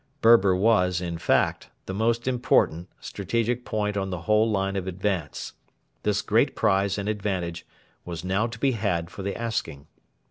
Berber was, in fact, the most important strategic point on the whole line of advance. This great prize and advantage was now to be had for the asking.